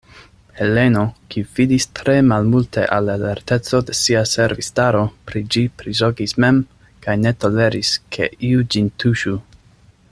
Heleno, kiu fidis tre malmulte al la lerteco de sia servistaro, pri ĝi prizorgis mem, kaj ne toleris, ke iu ĝin tuŝu.